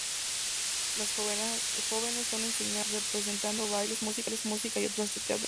Las jóvenes son enseñadas, representado bailes, música y obras de teatro.